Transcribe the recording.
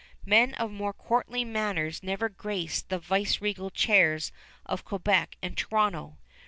Men of more courtly manners never graced the vice regal chairs of Quebec and Toronto.